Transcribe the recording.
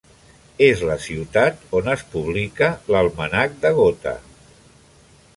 És la ciutat on es publica l'Almanac de Gotha.